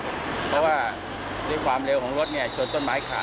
เพราะว่าด้วยความเร็วของรถชนต้นไม้ขาด